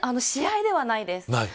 試合では、ないです。